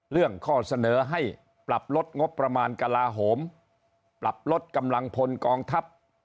เรื่องข้อเสนอให้ปรับลดงบประมาณกลาโหมปรับลดกำลังพลกองทัพ